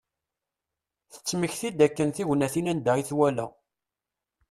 Tettmekti-d akken tignatin anda i t-wala.